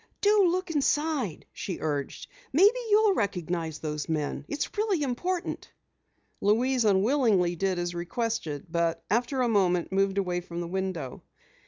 "Do look inside," she urged. "Maybe you'll recognize those men. It's really important." Louise unwillingly did as requested, but after a moment moved away from the window.